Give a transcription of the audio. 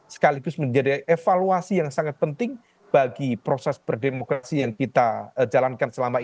sekaligus menjadi evaluasi yang sangat penting bagi proses berdemokrasi yang kita jalankan selama ini